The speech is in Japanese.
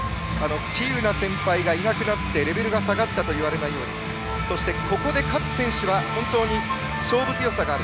喜友名先輩がいなくなってレベルが下がったと言われないようにそして、ここで勝つ選手は本当に勝負強さがある。